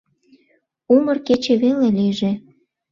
Умыр кече веле лийже.